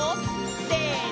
せの！